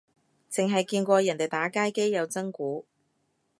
剩係見過人哋打街機有真鼓